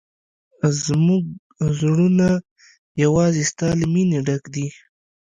زموږ زړونه یوازې ستا له مینې ډک دي.